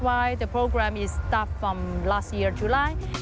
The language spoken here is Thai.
จากปีเมื่อปีที่สุด